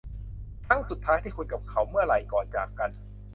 ครั้งสุดท้ายที่คุณกับเขาเมื่อไหร่ก่อนจากกัน